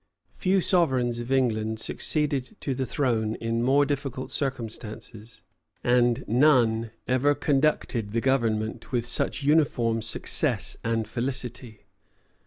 Few sovereigns of England succeeded to the throne in more difficult circumstances; and none ever conducted the government with such uniform success and felicity.